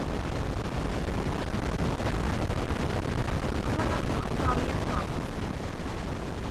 საქართველო ძალიან ლამაზია.